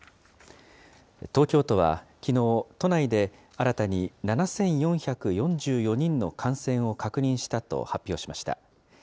東京都はきのう、都内で新たに７４４４人の感染を確認したと発表しました。